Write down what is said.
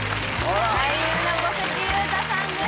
俳優の小関裕太さんです